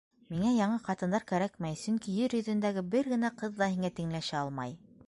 Миңә яңы ҡатындар кәрәкмәй, сөнки ер йөҙөндәге бер генә ҡыҙ ҙа һиңә тиңләшә алмай.